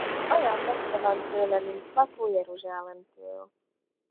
Olyan messze van tőle, mint Makó Jeruzsálemtől.